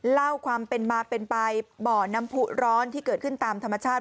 เล่าความเป็นมาเป็นไปบ่อน้ำผู้ร้อนที่เกิดขึ้นตามธรรมชาติ